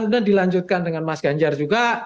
kemudian dilanjutkan dengan mas ganjar juga